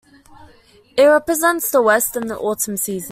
It represents the west and the autumn season.